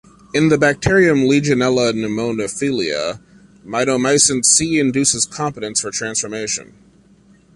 In the bacterium "Legionella pneumophila", mitomycin C induces competence for transformation.